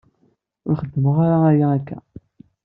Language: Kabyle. Ur xeddmeɣ ara aya akka.